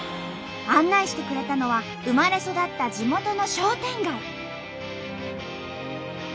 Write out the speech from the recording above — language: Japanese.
案内してくれたのは生まれ育った地元の商店街。